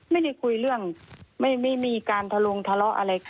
ไม่ได้คุยเรื่องไม่มีการทะลงทะเลาะอะไรกัน